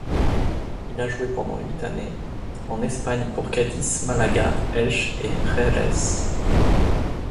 Il a joué pendant huit années en Espagne pour Cádiz, Málaga, Elche et Xerez.